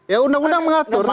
ya undang undang mengatur